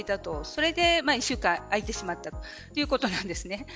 それで１週間空いてしまったということです。